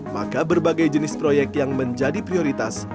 maka berbagai jenis proyek yang menjadi prioritas